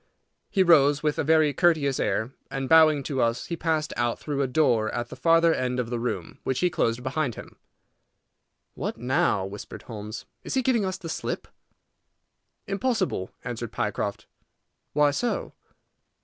He rose with a very courteous air, and, bowing to us, he passed out through a door at the farther end of the room, which he closed behind him. "What now?" whispered Holmes. "Is he giving us the slip?" "Impossible," answered Pycroft. "Why so?"